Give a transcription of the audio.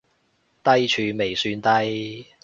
低處未算低